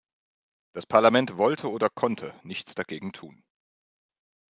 Das Parlament wollte oder konnte nichts dagegen tun.